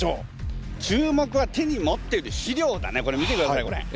注目は手に持ってる資料だねこれ見てくださいよこれ。